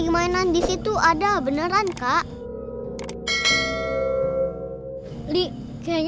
emangnya ada pahlawan buas di segala sini